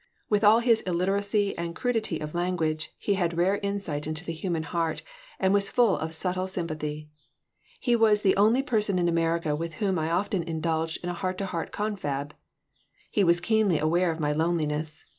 With all his illiteracy and crudity of language he had rare insight into the human heart and was full of subtle sympathy. He was the only person in America with whom I often indulged in a heart to heart confab. He was keenly aware of my loneliness.